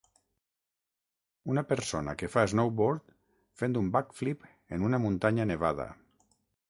Una persona que fa snowboard fent un backflip en una muntanya nevada.